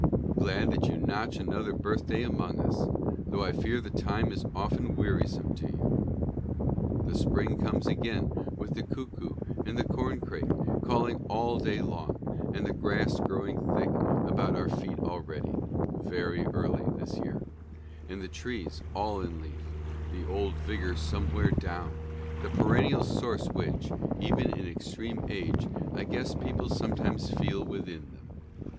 ... Glad that you notch another birthday among us — tho' I fear the time is often wearisome to you. The spring comes again with the cuckoo and the corn crake calling all day long, and the grass growing thick about our feet already (very early this year), and the trees all in leaf — the old vigor somewhere down, the perennial source which, even in extreme age, I guess people sometimes feel within them.